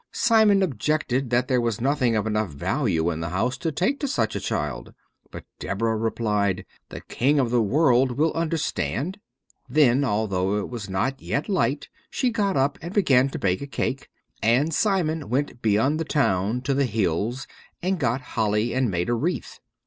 Simon objected that there was nothing of enough value in the house to take to such a child, but Deborah replied, "The King of the World will understand." Then, although it was not yet light, she got up and began to bake a cake, and Simon went beyond the town to the hills and got holly and made a wreath.